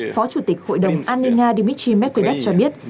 phó chủ tịch hội đồng an ninh nga dmitry medvedev cho biết